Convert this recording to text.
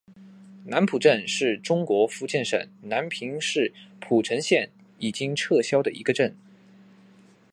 南浦镇是中国福建省南平市浦城县已经撤销的一个镇。